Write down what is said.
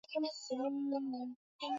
Nataka kubadili mienendo yako.